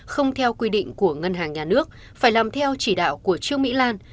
không theo quy định của ngân hàng nhà nước phải làm theo chỉ đạo của trương mỹ lan